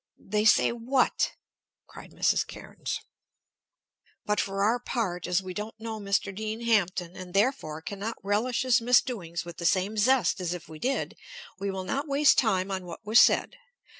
"They say what?" cried Mrs. Cairnes. But for our part, as we don't know Mr. Dean Hampton, and, therefore, can not relish his misdoings with the same zest as if we did, we will not waste time on what was said.